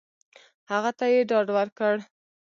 هغه ته یې ډاډ ورکړ !